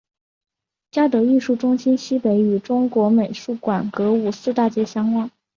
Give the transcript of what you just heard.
嘉德艺术中心西北与中国美术馆隔五四大街相望。